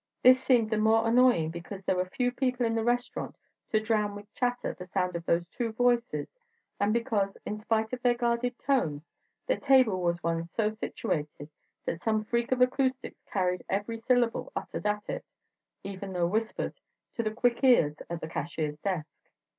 This seemed the more annoying because there were few people in the restaurant to drown with chatter the sound of those two voices and because, in spite of their guarded tones, their table was one so situated that some freak of acoustics carried every syllable uttered at it, even though whispered, to the quick ears at the cashier's desk.